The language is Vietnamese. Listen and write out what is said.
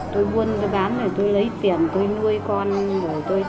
tôi buôn tôi bán tôi lấy tiền tôi nuôi con tôi tích góp tôi giả nợ giả nần cho công thương